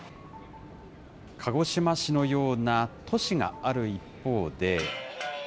鹿児島市のような都市がある一方で。